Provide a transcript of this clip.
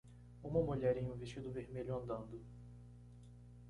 Uma mulher em um vestido vermelho andando.